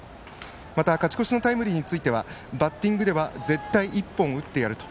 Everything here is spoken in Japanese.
また、勝ち越しのタイムリーについてはバッティングでは絶対、１本、打ってやると。